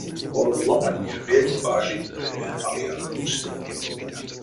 Од ломантне вельть бажить улеме авиаторокс.